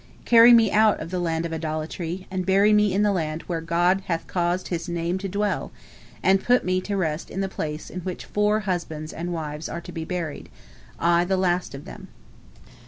Carry me out of the land of idolatry, and bury me in the land where God hath caused His Name to dwell, and put me to rest in the place in which four husbands and wives are to be buried, I the last of them."